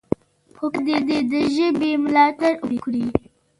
حکومت دې د ژبې ملاتړ وکړي.